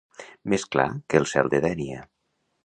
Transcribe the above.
Més clar que el cel de Dénia.